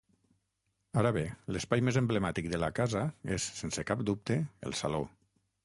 Ara bé, l'espai més emblemàtic de la casa és sense cap dubte el saló.